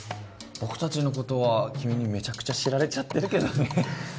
僕たちの事は君にめちゃくちゃ知られちゃってるけどね。